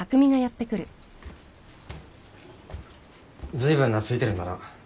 ずいぶん懐いてるんだな。